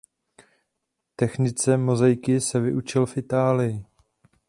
Technice mozaiky se vyučil v Itálii.